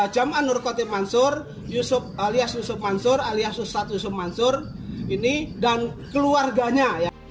jaman nurkotir mansur alias yusuf mansur alias ustadz yusuf mansur ini dan keluarganya